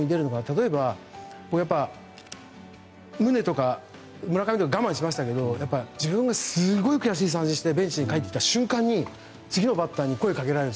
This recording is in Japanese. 例えば、ムネ、村上とか我慢しましたけども自分がすごい悔しい三振をしてベンチに帰ってきた瞬間に次のバッターに声をかけられる。